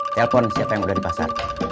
telepon siapa yang udah di pasar